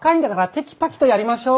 テキパキとやりましょう。